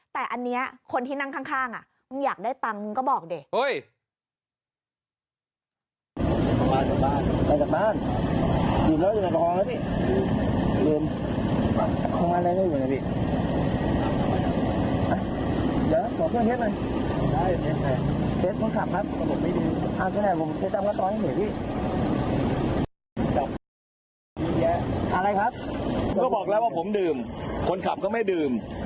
แต่อันเนี้ยคนที่นั่งข้างข้างอ่ะมึงอยากได้ตัำมึงก็บอกเด